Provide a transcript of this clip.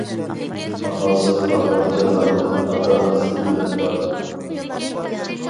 ئامالسىز قالغان جالالىدىن ئاتا-ئانىسى بىلەن باردى.